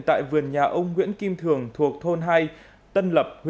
tại vườn nhà ông nguyễn kim thường thuộc thôn hai tân lập